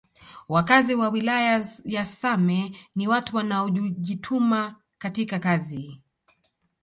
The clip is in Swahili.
Wakazi wa wilaya ya same ni watu wanaojituma katika kazi